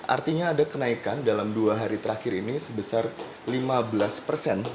artinya ada kenaikan dalam dua hari terakhir ini sebesar lima belas persen